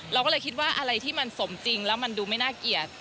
เราก็เลยคิดว่าอะไรที่มันสมจริงแล้วมันดูไม่น่าเกลียด